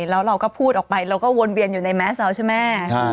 แล้วเราก็พูดออกไปเราก็วนเวียนอยู่ในแมสเราใช่ไหม